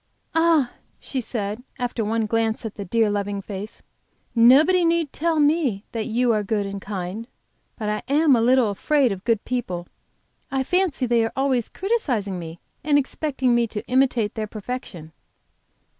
"Ah!" she said, after one glance at the dear, loving face, "nobody need tell me that you are good and kind. But I am a little afraid of good people. I fancy they are always criticising me and expecting me to imitate their perfection."